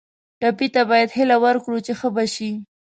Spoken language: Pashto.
ټپي ته باید هیله ورکړو چې ښه به شي.